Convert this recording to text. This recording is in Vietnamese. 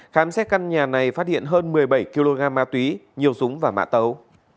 khám xét căn nhà này phát hiện hơn một mươi bảy kg ma túy nhiều súng và mã tấu